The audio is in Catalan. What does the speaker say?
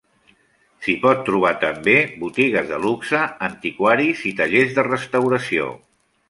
S'hi pot trobar també botigues de luxe, antiquaris i tallers de restauració.